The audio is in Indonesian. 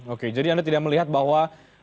oke jadi anda tidak melihat bahwa